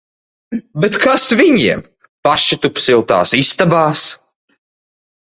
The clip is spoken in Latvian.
Bet kas viņiem! Paši tup siltās istabās!